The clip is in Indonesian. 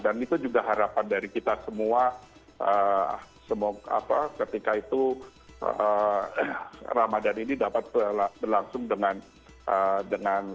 dan itu juga harapan dari kita semua ketika itu ramadan ini dapat berlangsung dengan